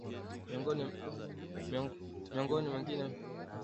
Mifugo mingine inayoathirika na ugonjwa wa majimoyo zaidi ya ngombe ni kondoo na mbuzi